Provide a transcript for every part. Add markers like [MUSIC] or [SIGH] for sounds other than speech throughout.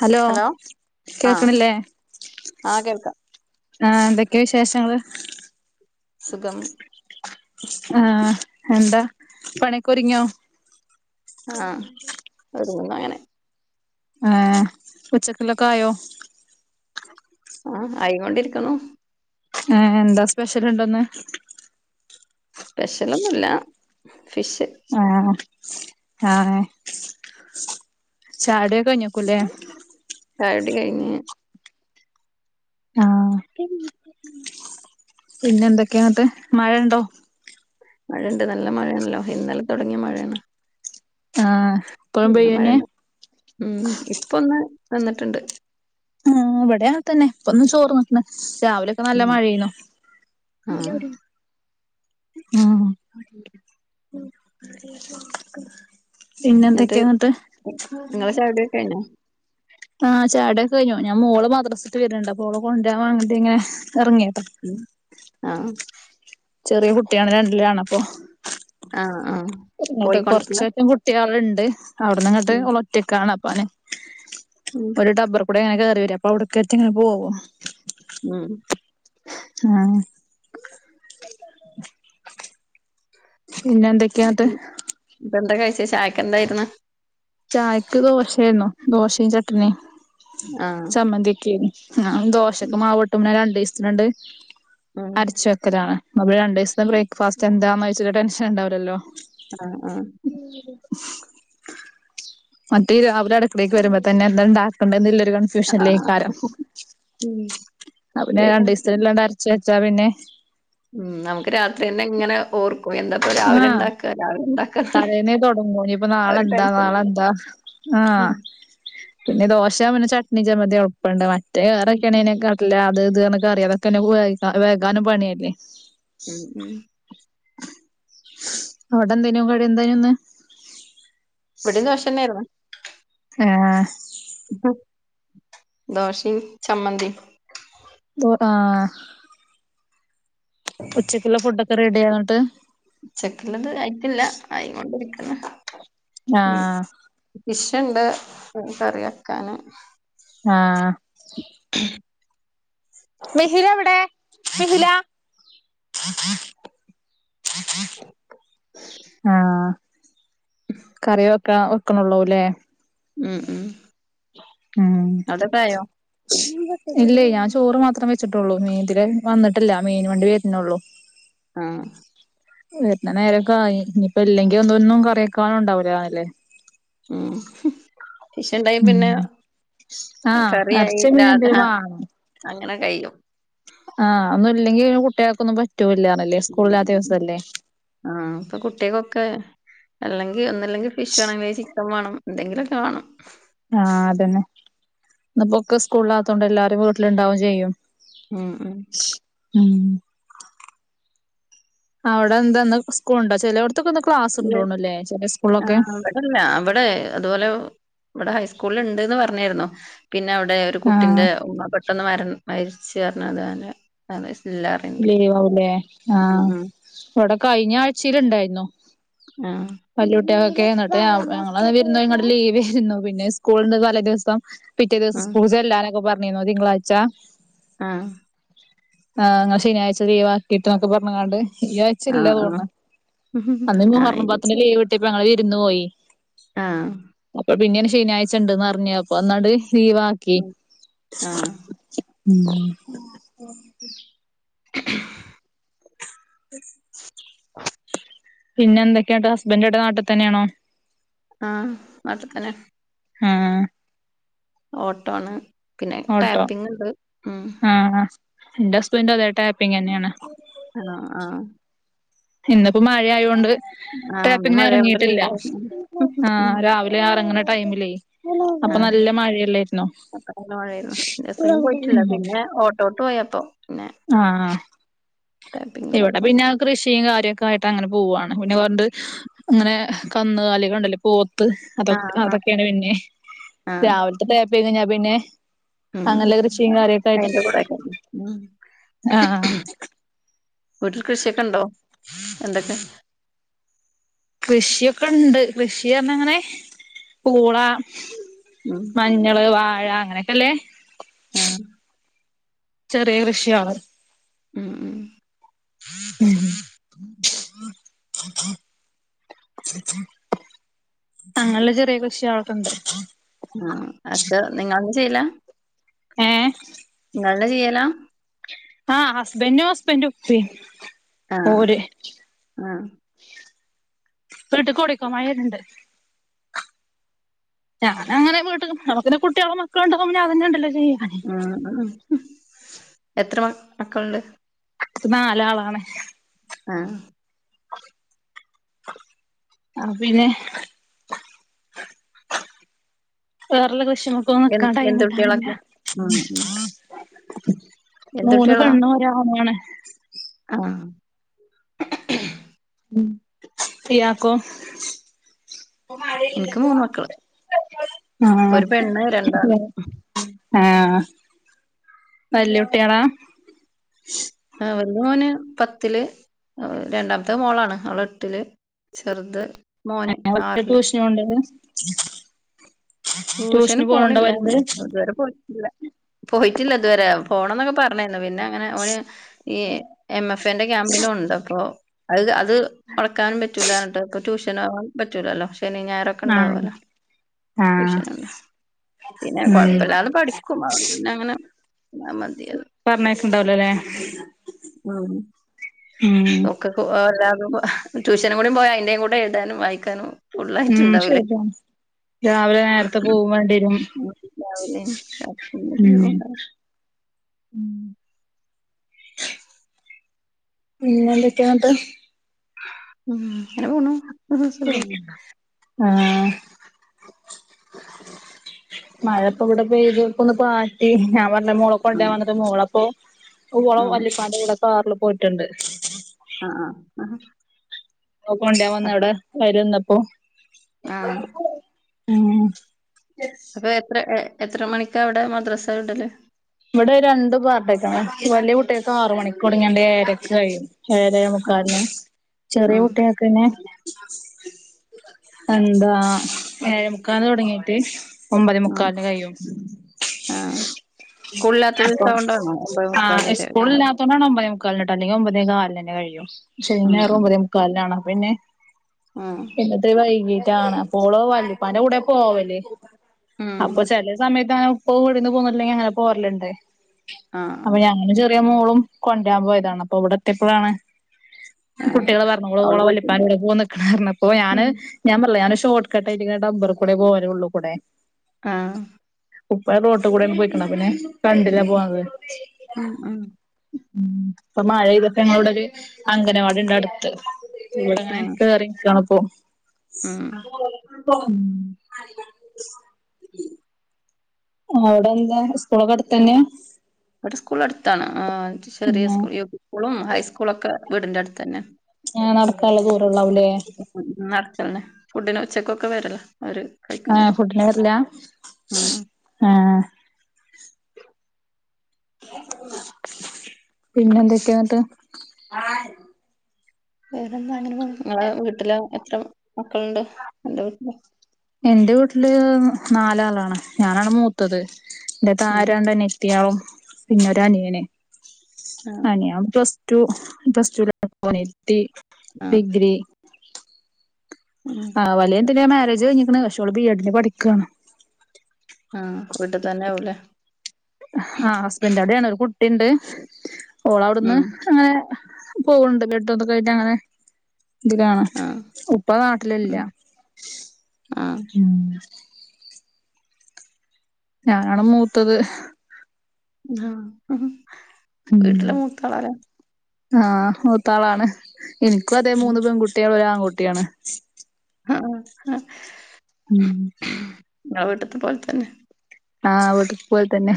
Hello ആഹ് കേക്കണില്ലേ ആഹ് കേൾക്കാം ആഹ് എന്തക്കെയാ വിശേഷങ്ങള് സുഖം ആഹ് എന്താ പണിയൊക്കൊര്ങ്ങ്യൊ ആഹ് ഒരുങ്ങുന്നു അങ്ങനെ ഏഹ് ഉച്ചക്ക്‌ലേക്കായോ ആഹ് ആയി കൊണ്ടിരിക്കുന്നു ഏഹ് എന്താ സ്പെഷല്ണ്ടോന്ന് സ്പെഷലൊന്നൂല്ല ഫിഷ് ആഹ് ആഹ് ചായുടിക്കെ കയ്ഞ്ഞേക്ക്‌വല്ലേ ചായുടി കയ്ഞ്ഞ് ആഹ് പിന്നെന്തക്കെയാ അങ്ങട്ട് മഴയ്ണ്ടോ മഴയ്ണ്ട് നല്ല മഴയാണല്ലോ ഇന്നലെ തൊടങ്ങിയ മഴയാണ് ആഹ് ഇപ്പഴും ഇന്നും പെയ്യന്നെ മഴന്നെ ഉം ഇപ്പൊന്ന് നിന്ന്ട്ടുണ്ട് ആഹ് ഇവിടേം അങ്ങൻ തന്നെ ഇപ്പൊന്ന് ചോർന്ന്നിക്ക്‌ന്ന് രാവിലെ ക്കെ നല്ല ഉം മഴയേന്നു ആഹ് ഉം എന്നിട്ട് പിന്നെന്തെക്കയാന്ന്ട്ട് നിങ്ങളെ ചായുടിയൊക്കെ കഴിഞ്ഞോ ആഹ് ചായുടിയക്കെ കയിഞ്ഞു ഞാൻ മോള് മദ്റസ വിട്ട് വെര്ണുണ്ട് അപ്പോ ഓളെ കൊണ്ടുരാൻ വേണ്ടീട്ടിങ്ങനെ എറങ്ങിയതാ ഉം ആഹ് ചെറിയ കുട്ടിയാണ് രണ്ടിലാണപ്പോ ആഹ് ആഹ് ഇങ്ങോട്ട് പോയിക്കൊണ്ടില്ല കൊറചൊക്കെ കുട്ടികള്ണ്ട്. അവിട്ന്ന് ഇങ്ങട്ട് ഉം ഒളൊറ്റക്കാണ് അപ്പനെ ഉം ഒരു ഡബർ കൂടെ ഇങ്ങനെ കേറി വരു. അപ്പ ഔട്ക്കെറ്റെ ഇങ്ങനെ പോവും. ഉം ആഹ് പിന്നെ എന്തക്ക് ഇതെന്താ കഴിച്ചെ ചായക്ക് എന്തായിര്ന്ന്. ചായക്ക് ദോശേയന്നു. ദോശേം ചട്നിം ആഹ് ചമ്മന്തി ഒക്കേനി. ആ ഉം ദോശൊക്കെ മാവൂട്ടും. പിന്ന രണ്ടീസ്ത്തിനോണ്ട് അരച്ചക്ക കലാണ്. നമ് രണ്ട് ദിവസത്തെ ബ്രേക്ക്ഫാസ്റ്റ് എന്താന്ന് വെച്ച ടെൻഷൻ ഉണ്ടാവില്ലല്ലോ ആഹ് ആഹ് [UNINTELLIGIBLE] മറ്റേര് അവര് അടുക്കളേക്ക് വരുമ്പ തന്നെ എന്താണ്ടാക്കണ്ടെന്ന്ള്ളൊരു ആഹ് ട്യൂഷനിലേക്കാരം. പിന്നെ ശരിയാ രണ്ടീസത്തിനില്ലണ്ട് അരച്ചച്ചാ പിന്നെ ഉം നമുക്ക് രാത്രി എന്നെ ഇങ്ങനെ ഓർക്കും. എന്താപ്പ രാവിലെ ഇണ്ടാക്കാ രാവിലെ ഇണ്ടാക്കാ തലേനേ തൊടങ്ങും ഇനിയിപ്പൊ നാളെന്താ നാളെന്താ ആഹ്. ഉം. പിന്നെ ദോശ പിന്നെ ചട്ണി ചമ്മന്തി എൾപ്പണ്ട്. മറ്റെ ഉം. ഉം. വെറൊക്കെയാണെങ്കി അ അല്ല അത് ഇത് അറ്നക്കറി അതൊക്കെന്നെ വേഗാനും പണിയല്ലെ. ഉം ഉം അവിടെന്തേനു കടി എന്തേനു ഇന്ന്. ഇവിടിം ദോശന്നേയിരുന്നു. ആഹ് ദോശിം ചമ്മന്തിം. ആഹ് ഉച്ചക്ക്ള്ള ഫുഡൊക്കെ റെഡിയായൊ ഇട്ട്. ഉച്ചക്കുള്ളത് അയിട്ടില്ല ആയികൊണ്ടിരിക്ക്ണ്. ഉം ആഹ് ഫിഷ്ണ്ട് കറി വെക്കാന്. ആഹ് [INAUDIBLE] മിശില എവിടെ മിഹില ആഹ് കറി വെക്ക വെക്ക്ണൊള്ളൂ ല്ലേ ഉം ഉം ഉം അതൊക്കെ ആയോ? ഇല്ല ഞാൻ ചോറ് മാത്രം വെച്ചിട്ടൊള്ളൂ. മീൻ ഇതിലെ വന്നിട്ടില്ല. മീൻ വണ്ടി വര്ണൊള്ളു. ആഹ് വര്ന്ന നേരൊക്കായി. ഇഞ്പ്പ ഇല്ലെങ്കി ഇതൊന്തൊന്നും കറിയക്കാനുണ്ടാവിലല്ലേ. ഉം ഫിഷ് ഇണ്ടെങ്കിൽ ഉം പിന്നെ ആഹ് കറിയിയായി എറച്ചി മീൻ രാ എന്തേലും ആഹ് വാങ്ങണം അങ്ങനെ കഴിയും. ആഹ് ഒന്നും ഇല്ലെങ്കിൽ കുട്ട്യേക്കൊന്നും പറ്റൂല്ലാണെല്ലേ. സ്കൂള് ഉം. ഇല്ലാത്ത ഉം. ദിവസല്ലേ. ആഹ് ഇപ്പ കുട്ട്യേക്കൊക്കെ. അല്ലെങ്കി ഒന്നല്ലെങ്കിൽ ഫിഷ് വേണം. അല്ലെങ്കി ചിക്കൻ വാണം. എന്തെങ്കിലൊക്കെ വാണം. ആഹ് അതെന്നെ. ഇന്ന്പ്പൊ ഒക്കെ സ്കൂളിലാത്തോണ്ട് എല്ലാരും വീട്ടില് ഇണ്ടാവും ചെയ്യും. ഉം ഉം ഉം അവടെ എന്താ ന്ന് സ്കൂൾ ഉണ്ടോ? ചെലൊട് ക്കൊ ന്ന് ക്ലാസ് ഉണ്ടോൻല്ലേ ചെല സ്കൂൾളൊക്കെ. അല്ല അവടെ അതുപോലെ ഇവടെ ഹൈസ്ക്കൂൾള് ണ്ട്ന്ന് പർഞ്ഞീരുന്നു പിന്നെ അവടെ ഒരു ആഹ് കുട്ടിന്റെ ഉമ്മ പെട്ടെന്ന് മര മരിച്ചു പർഞ്ഞു അതാ ഞന് ഇല്ലാർഞ്. ലീവാവുല്ലേ ആഹ് ഇവടെ കഴിഞ്ഞ ആഴ്ചീല് ഇണ്ടായിന്നു. ആഹ്. വല്ല്യട്ട്യാൾകൊക്കേ എന്നിട്ട് ഞ ഞങ്ങളന്ന് വിര്ന്നൊയിങ്ങാണ്ട് ലീവേര്ന്നു പിന്നെ സ്കൂൾണ്ട് തലേ ദിവസം. പിറ്റേ ആ. ആ. ദിവസം സ്കൂൾ ചേല്ലാനൊക്കെ പർഞ്ഞീന്നു തിങ്കളാഴ്ച്ചാ ആഹ്. ആഹ് ങള് ശനിയാഴ്ച ലീവാക്കീട്ട് ന്നൊക്കെ പർഞ് ങ്ങാണ്ട് ഈ ആ. ചില്ലാ ആ. തോൻണ് അന്ന് ആ. മുഹററം ഇത് പത്തിന്റെ ലീവ് ഇട്ടിപ്പൊ ഞങ്ങള് വിരുന്ന് പോയി. ആഹ്. അപ്പൊ പിന്നേണ് ശനിയാഴ്ചണ്ട്ന്ന് അർഞ് അപ്പൊ ന്നണ്ട് ലീവാക്കി. ഉം. ആ. ഉം. [UNINTELLIGIBLE] [INAUDIBLE] പിന്നെ എന്തക്കെയാട്ട് ഹസ്ബന്റ് ഇവടെ ന്നാട്ട് തന്നെയാണോ? ആഹ് നാട്ട്തന്നേ. ആഹ്. ഓട്ടോണ് പിന്നെ ഓട്ടോ ടാപ്പിങ്ണ്ട് ഉം. ന്റെ ഹസ്ബൻഡ്ഡ് അതേ ട്ടാപ്പിംങ ന്നേണ്. ആണോ ആഹ്. ഇന്ന്പ്പോ മഴയായൊൻണ്ട് ആ. ഇന്ന് ട്ടാപ്പിങ്ന് മഴയായോണ്ട് എറങ്ങീട്ടില്ല ലീവായിരുന്നു. ആഹ് രാവി എറെങ്ണ ടൈമിലേയ്. ആഹ് മഴേര്ന്നു ജസ്വിന് പോയിട്ടില്ല പിന്നെ ഓട്ടോട്ട് പോയപ്പോ പിന്നേ ആഹ് ഇവടെ ഇല്ലാത്തോണ്ട്. പിന്നെ കൃഷി കൃഷിം കാര്യൊക്കെ ആയിട്ട് അങ്ങനെ പോവ്വാണ്, പിന്നെ പണ്ട് അങ്ങനെ കന്നുകാലികള്ണ്ടല്ലേ പോത്ത് അതൊ ആ ആ അതൊക്കെയാണ് പിന്നെ ആ രാവിൽത്തെ ട്ടേപ് കഴിഞ്ഞയ്ഞാ പിന്നെ- ഉം അങ്ങല്ല കൃഷിം കാര്യൊക്കൊയിട്ട് അയിന്റെ കൂടെക്കെ ഉം ആഹ് ആ ആ. വീട്ടിൽ കൃഷിയൊക്കെണ്ടോ എന്തൊക്കെ? കൃഷിയൊക്കെണ്ട് കൃഷി പർഞാ ങ്ങനെ പൂളാ ഉം മഞ്ഞള് വാഴ അങ്ങനേക്കെള്ളേ ആഹ് ചെറിയേ കൃഷ്യയാണ്. ഉം ഉം. ഉം [INAUDIBLE] [INAUDIBLE] അങ്ങനള്ളേ ചെറിയേ കൃഷി അഅക്കണ്ട്. അക്ക നിങ്ങളന്നും ചെയ്യില്ലാ? ഏഹ് തന്നേ ചിയ്യലാ? ആഹ് ഹസ്ബന്റും ഹസ്ബന്റും പി ആഹ് ആഹ്. വ്ട്ട്ക്ക് ഓടിക്കോ മയ വര്ന്ണ്ട്. ഞാന അങ്ങനെ വ്ട്ട്ക്ക് നമക്കന്നേ കുട്ട്യാളും മക്കളും ണ്ടാവുംമ്പോ അതന്നേ ണ്ടല്ലോ ജീവിക്കാ ആഹ് അഹ് എത്ര മ മക്കള്ണ്ട്? ഇക്ക്നാലാളാണ്. ആഹ് ആഹ് പിന്നെ? വേറല്ല ക്രെഷങ്ങക്കൊന്നും എ ന്ക്കാം എന്ത് ടൈമ്ണ്ടാവലില്ല. കുട്ടികളൊക്കെ ഉം ഉം എന്ത് മൂന്ന് പെണ്ണും ഒരാണുംആണ്. ആഹ് ഉം ഇയാക്കോ? എനിക്ക് മൂന്ന് മക്കള് ആഹ്. ഒരു പെണ്ണ് രണ്ടാണ് വെ ആഹ് വല്ല്യുട്ടാളാ? ആഹ്. വല്ല്യ മോന് പത്ത്ല്. രണ്ടാമത്തഹ് മോളാണ് അവളെട്ട്ല്. ചെറ്ത്‌ രണ്ടാമത്തെ ടൂഷന് [UNINTELLIGIBLE] ടൂഷന് പോണില്ല. ഇത് വരെ പോയ്‌ട്ട്ല്ല. പോയിട്ട്ല്ല ഇത്‌വരെ പോണംന്നൊക്കെ പറഞ്ഞാര്ന്നു പിന്നെ അങ്ങനെ ഓന് ഈ എം എഫെന്റെ ക്യാമ്പ്നോണ്‌ണ്ട് അപ്പോ അത് അത് മൊടക്കാനും പറ്റൂല. ട്ട്പ്പൊ ടൂഷ നോവാനും പറ്റൂലല്ലോ ശനീം ആഹ് ഞായറൊക്കെണ്ടാവോലൊ. ആഹ് ടൂഷനോണ്ട. പിന്നെ ഉം കൊഴപ്പല്ലാതെ പഠിക്കും. അവോണ്ട് പിന്നെ അങ്ങനെ മതിയാര്ന്നു. പറഞ്ഞയക്ക്ണ്ടാവൂലലെ? ആഹ് ഓഹ് ക്കക്കും ഓരതാകുമ്പോ ട്യൂഷനും കൂടി പോയ അയിന്റേം കൂടെ എഴ്താനും വായിക്കാനും- ഉം ഫുള്ളായിട്ട്ണ്ടാവൂലെ? ശരിയാണ് രാവിലെ നേരത്തെ പോവും വേണ്ടിരും ഉം [UNINTELLIGIBLE] ഉം പിന്നെന്തൊക്കാന്ന്ട്ട്? ഉം അങ്ങനെ പോണു. ഉം. സുഖായിട്ട്. [UNINTELLIGIBLE] ആഹ് മഴപ്പൊ ഇവടെ പെയ്തു. ഇപ്പൊന്ന് പാറ്റി ഞാൻ പറഞ്ഞെ മൊള ഉം കൊണ്ടരാം വന്ന്ട്ട് മോളപ്പോ ഓളെ ഉം. വല്ലിപ്പാന്റെ കൂടെ കാർല് പൊയ്ട്ട്ണ്ട്. അഹ് ആഹ് ഓം കൊണ്ട്‌രാം അപ് വന്നവടെ വരൊന്നപ്പൊ ആഹ് ആഹ്. പേ എത്ര ഏ എത്ര മണിക്കാ അവടെ മദ്രാസ വിടല്? ഇവ്ടെ രണ്ടുപാർട്ടായിട്ടാണ്‌. വല്ല്യ കുട്ട്യാക്കാറ് മണിക്കൊടങ്ങ്യാണ്ട്‌ ഏയരക്ക് കയ്യും. ഏയെര ഏയേ ആഹ് മുക്കാല്ന് ചെറ്യേ ഉം കുട്ട്യാക്കന്നെ എന്താ ഏഴേമുക്കാൽന് തൊടങ്ങീട്ട്‌ ഉം ഒമ്പതേമുക്കാൽന് കയ്യും. ആഹ് സ്കൂളില്ലാത്ത അപ്പൊ ദിവസം കൊണ്ടാണോ ഒമ്പതേ മുക്കാൽ ആഹ് വരെ ഇസ്കൂള്ല്ലാ ത്തോണ്ടാണ്ട് ഒമ്പതെമുക്കാലിന്ട്ടൊ അല്ലെങ്കി ഒമ്പതേ കാൽനെന്നെ കഴിയു. ശനിയും ഉം ഞായറും ഒമ്പതേമുക്കാൽനാണ്. അപ്പൊ പിന്നെ ആഹ് പിന്നത്തിരി വൈകീട്ടാണ് അപ്പോള് വല്ലിപ്പാന്റെ കൂടെ പോവല്. ഉം അപ്പൊ ചെലെ സമയത്ത് അങ്ങനെ ഉപ്പവുടെന്ന് പോന്ന്ട്ട്ല്ലെങ്കി അങ്ങനെ പോരല്ണ്ട്. അപ്പൊ ആഹ് ഞാനും ചെറ്യേ മോളും കൊണ്ടരാമ്പോയതാണ് അപ്പൊ ഇവടെ എത്ത്യേപ്പളാണ് ആഹ് ആഹ് കുട്ട്യാള് പറഞ്ഞു ഓള് അവള് ഓളെ പോയിട്ടുണ്ട് വല്ലിപ്പാന്റെ കൂടെ പോന്ന്ക്ക്ണ്അറഞ്ഞപ്പൊ ഞാന് ഉം ഞാംപറഞ്ഞ്ലെ ഞാനൊരു ഷോർട്കട്ടായിട്ട് ഇങ്ങട്ട് റബർക്കൂടെ പോരലൊള്ളൂ, ഉള്ള്ക്കൂടെ. ആഹ് ഉപ്പ റോട്ട്ക്കൂടെ പൊയിക്ക്ണ്. അപ്പൊ പിന്നെ കണ്ട്ല ഉം പോണത്. ഉം ഉം ഉം. ഇപ്പൊ മഴ യ്തപ്പൊ ഞങ്ങള് ഇവടെര് അംഗനവാടിണ്ട് അട്ത്ത്- ഇവടെങ്ങനെ ആഹ് കേറി നിക്കാണ്പ്പൊ. ഉം [INAUDIBLE] ആ അവിടെ എന്താ സ്കൂളൊക്കെ അടുത്തു തന്നെയാ ഇവിടെ സ്കൂള് അടുത്താണ് അ ചെറിയ ഉം സ്കൂളു യു പി സ്കൂളും ഹൈസ്കൂളൊക്കെ വീടിന്റെ അടുത്ത് തന്നെ. ആ നടക്കാനുള്ള ദൂരം ഉള്ളാവുംല്ലേ നടക്കലേ ഫുഡിന് ഉച്ചക്കൊക്കെ വരല്ല അവര് ആഹ് ഫുഡ്ന് വരല്ല? ആഹ് പിന്നെ എന്തൊക്കെനട്ട്. ആഹ് വേറെന്താ അങ്ങനെ പോണ്. നിങ്ങളെ വീട്ടില് എത്ര മക്കളുണ്ട്. അന്റെ വീട്ടില്. എന്റെ വീട്ടില് നാലാളാണ് ഞാനാണ് മൂത്തത്. എന്റെ താഴെ ഉം രണ്ട് അനി ത്തിയാളു പിന്നൊരനിയന് ആഹ് അനിയ പ്ലസ്ടു പ്ലസ്ടുല. നിയത്തി ആഹ് ഡിഗ്രി. ഉം ആ വലിയ അനിയത്തിൻ്റെ മാരേജ് കഴിഞ്ഞ്ക്ക്ണ് പക്ഷെ ഒള് ബി എഡിന് പഠിക്കണ്. ആഹ് വീട്ടിൽ തന്നെ ആവുലേ. ആഹ് ഹസ്ബന്റോടെണ് അവിടെയാണ് ഒരു കുട്ടിയുണ്ട് ഓള് അവിടുന്ന് ഉം അങ്ങനെ. പോകുന്നുണ്ട് ബെഡ് ഒക്കെ കയിട്ട് അങ്ങനെ. ഇത് കാണ ആഹ് ഉപ്പ നാട്ടിലില്ല. ഉം ആഹ് ഞാനാണ് മൂത്തത്. ആഹ് ഉം വീട്ടിലെ മൂത്തളരാ ആഹ് മൂത്താളാണ് എനിക്കും അതെ ഉം മൂന്ന് പെൺകുട്ടി. ഒരാൺകുട്ടിയാണ്. ആ ആ ങ്ങളെ വീട്ടത്തെ പോലെ തന്നെ. ആഹ് വീട്ടിത്തെ പോലെ തന്നെ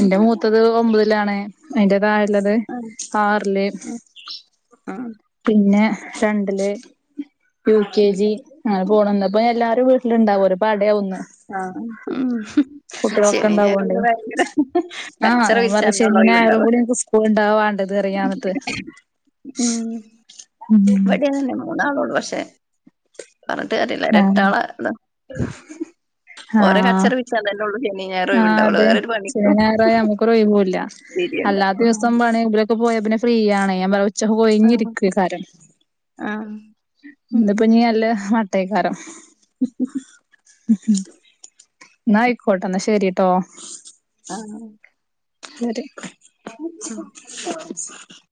എന്റെ മൂത്തത് ഒമ്പതിലാണ്. അതിന്റെ താഴെയുള്ളത് ആഹ് ആഹ് ആറില്. ഉം ആഹ് പിന്നെ രണ്ടില്. U K G. അങ്ങനെ പോകണംന്ന് ഇപ്പൊ എല്ലാരും വീട്ടിലിണ്ടാവോലൊ ഒരു പടയാവുംന്. ആ ഉം ശനി ഞായറുംന്ന് ഉണ്ടാവോണ്ടേ ഭയങ്കര കച്ചറ വിരിച്ചുള്ള ഒഴിവുണ്ടാവ. സ്കൂളിൽ ഉണ്ടാവാ വണ്ടത്റിയാനട്ട് ഉ മൂന്നാള് ഉള്ളൂ പക്ഷെ പറഞ്ഞിട്ട് കാരൃല്ല ഒര് ആഹ് എട്ടാളാ ഇതണ് ഓരോ ആഹ് കച്ചറി വിച്ച ആഹ് അതെ ശനി ഞായറെ നമുക്കൊരു ഒഴിവില്ല തിരിയണ്ട അല്ലാത്ത ഉം ദിവസം പണി പോയ പിന്നെ ഫ്രീ ആണ് ഞാൻ അപ്പം ഉച്ചക്ക്കെ ആഹ് ഒയിഞ്ഞിരിക്കയ്കാരം. ആഹ് ഇന്പ്പൊഞ്ഞീ നല്ല മട്ടയ്ക്കാരം. ന അയിക്കോട്ടെ ന്ന ശരിട്ടോ. ആഹ് [UNINTELLIGIBLE]